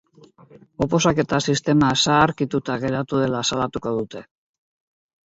Oposaketa sistema zaharkituta geratu dela salatuko dute.